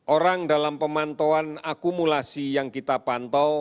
orang dalam pemantauan akumulasi yang kita pantau